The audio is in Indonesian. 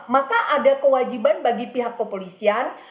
maka ada kewajiban bagi pihak kepolisian